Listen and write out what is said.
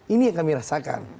ini yang kami rasakan